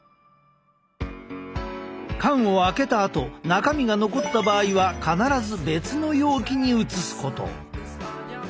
缶を開けたあと中身が残った場合は必ず別の容器に移すこと。